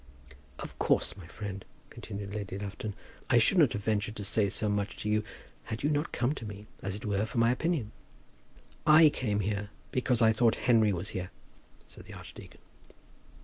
"Of course, my friend," continued Lady Lufton, "I should not have ventured to say so much to you, had you not come to me, as it were, for my opinion." "I came here because I thought Henry was here," said the archdeacon.